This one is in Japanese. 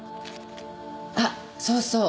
あそうそう。